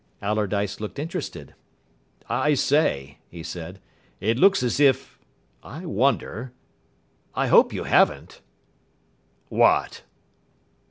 Allardyce looked interested. "I say," he said, "it looks as if I wonder. I hope you haven't." "What?"